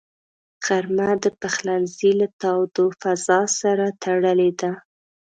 غرمه د پخلنځي له تاوده فضاء سره تړلې ده